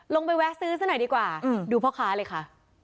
แวะซื้อซะหน่อยดีกว่าดูพ่อค้าเลยค่ะ